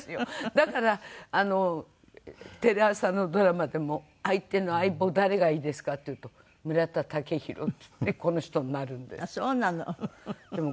だからテレ朝のドラマでも「相手の相棒誰がいいですか？」って言うと「村田雄浩」って言ってこの人になるんです。